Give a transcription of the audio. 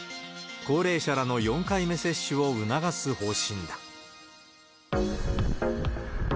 高齢者らの４回目接種を促す方針だ。